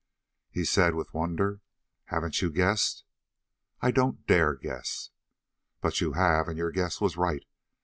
He said with wonder: "Haven't you guessed?" "I don't dare guess." "But you have, and your guess was right.